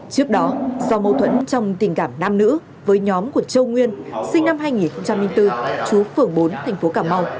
trước đó do mâu thuẫn trong tình cảm nam nữ với nhóm của châu nguyên sinh năm hai nghìn bốn chú phường bốn thành phố cà mau